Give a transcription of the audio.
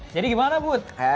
jadi gimana bud